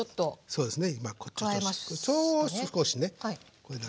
そうですね。